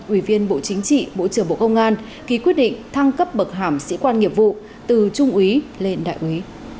ủy viên bộ chính trị bộ trưởng bộ công an ký quyết định thăng cấp bậc hàm sĩ quan nghiệp vụ từ trung úy lên đại úy